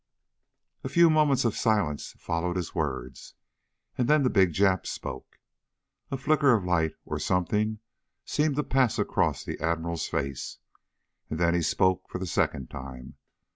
A few moments of silence followed his words, and then the big Jap spoke. A flicker of light, or something, seemed to pass across the Admiral's face. And then he spoke for the second time.